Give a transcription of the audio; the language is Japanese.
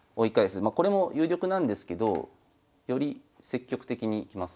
まあこれも有力なんですけどより積極的にいきます。